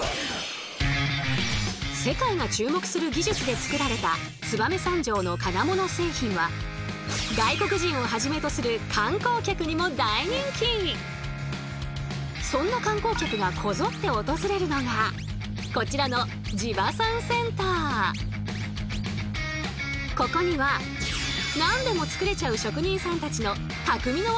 世界が注目する技術で作られた燕三条の金物製品は外国人をはじめとするそんな観光客がこぞって訪れるのがこちらのここには何でも作れちゃう職人さんたちのその数